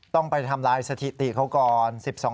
ต้องไปทำลายสถิติเขาก่อน